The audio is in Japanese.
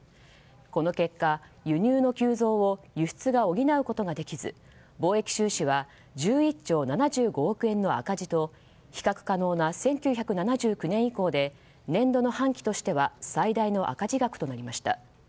この結果、輸入の急増を輸出が補うことができず貿易収支は１１兆７５億円の赤字と比較可能な１９７９年以降で年度の半期としては最大の赤字額となりました。